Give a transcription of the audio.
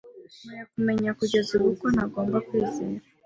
Nkwiye kumenya kugeza ubu ko ntagomba kwizera .